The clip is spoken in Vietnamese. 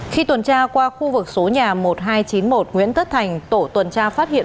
khi tuần tra qua khu vực số nhà một nghìn hai trăm chín mươi một nguyễn tất thành tổ tuần tra phát hiện